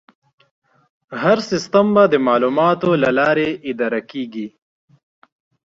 هر سیستم به د معلوماتو له لارې اداره کېږي.